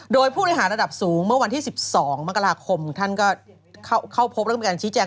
โดยผู้บริหารระดับสูงเมื่อวันที่๑๒มกราคมท่านก็เข้าพบแล้วก็มีการชี้แจง